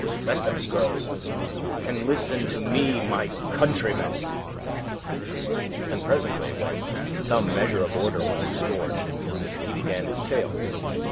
Let them go, and listen to me, my countrymen!" And presently, when some measure of order was restored, he began his tale.